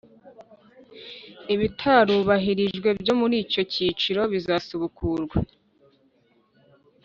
ibitarubahirijwe byo muri icyo cyiciro bizasubukurwa